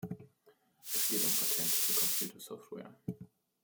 Es geht um Patente für Computersoftware.